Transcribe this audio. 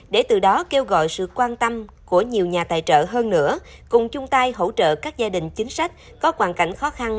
và sự quan tâm của nhiều nhà tài trợ hơn nữa cùng chung tay hỗ trợ các gia đình chính sách có hoàn cảnh khó khăn